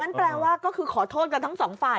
แปลว่าก็คือขอโทษกันทั้งสองฝ่าย